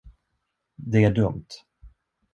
Det är dumt.